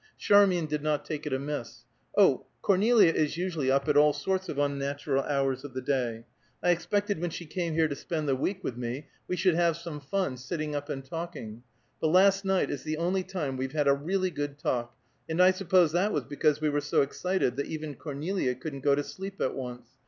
Charmian did not take it amiss. "Oh, Cornelia is usually up at all sorts of unnatural hours of the day. I expected when she came here to spend the week with me, we should have some fun, sitting up and talking, but last night is the only time we have had a real good talk, and I suppose that was because we were so excited that even Cornelia couldn't go to sleep at once.